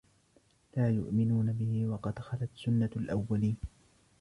لَا يُؤْمِنُونَ بِهِ وَقَدْ خَلَتْ سُنَّةُ الْأَوَّلِينَ